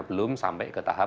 belum sampai ke tahap